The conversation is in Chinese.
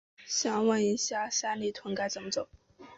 想问一下，三里屯该怎么走？